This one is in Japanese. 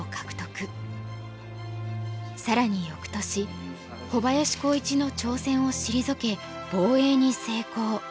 更に翌年小林光一の挑戦を退け防衛に成功。